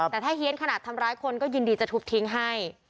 แต่ถ้าเฮียนขนาดทำร้ายคนก็ยินดีจะทุบทิ้งให้